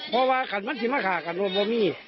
เพราะว่าคันมันจะมาขากันว่าไม่มี